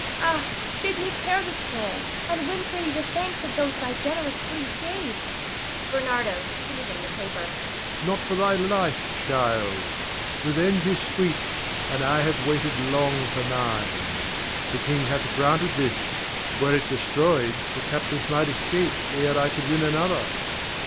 Ah, bid me tear the scroll, and win for thee the thanks of those thy generous pity saves. Ber. [seizing the paper]. Not for thy life, child! Revenge is sweet, and I have waited long for mine. The king hath granted this; were it destroyed, the captives might escape ere I could win another.